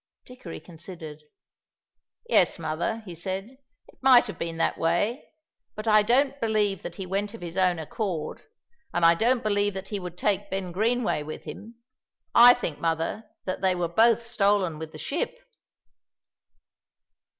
Dickory considered. "Yes, mother," he said, "it might have been that way, but I don't believe that he went of his own accord, and I don't believe that he would take Ben Greenway with him. I think, mother, that they were both stolen with the ship."